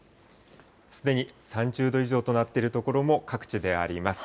すでに３０度以上となっている所も各地であります。